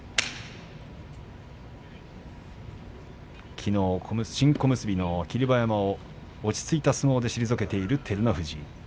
きのう新小結の霧馬山を落ち着いた相撲で退けている照ノ富士。